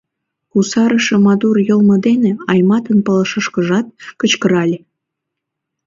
— кусарыше мадур йылме дене Айматын пылышышкыжак кычкырале.